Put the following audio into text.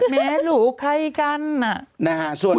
แม้หลูไข้กัน